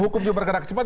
hukum juga bergerak cepat